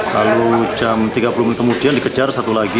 lalu jam tiga puluh menit kemudian dikejar satu lagi